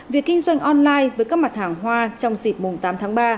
việc kinh doanh online với các mặt hàng hoa trong dịp mùng tám tháng ba